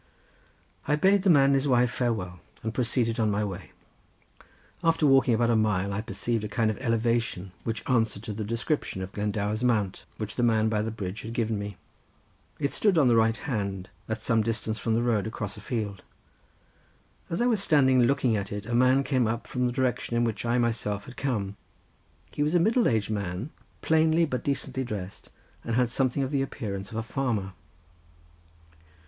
I bade the man and his wife farewell, and proceeded on my way. After walking about a mile, I perceived a kind of elevation which answered to the description of Glendower's mount, which the man by the bridge had given me. It stood on the right hand, at some distance from the road, across a field. As I was standing looking at it a man came up from the direction in which I myself had come. He was a middle aged man plainly but decently dressed, and had something of the appearance of a farmer.